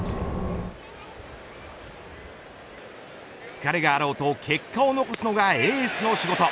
疲れがあろうと結果を残すのがエースの仕事。